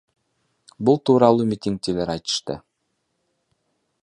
Бул тууралуу митигчилер айтышты.